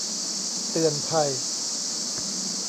เตือนภัย